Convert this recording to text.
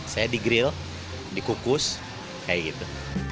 saya di grill di kukus kayak gitu